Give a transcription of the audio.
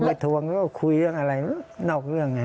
ผมไปทวงก็คุยเรื่องอะไรนอกเรื่องไง